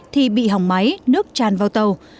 thì bị hỏng máy nước tràn vào tàu